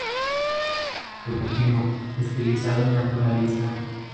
Levantino, estilizado y naturalista.